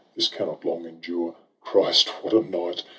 this cannot long endure. — Christ, what a night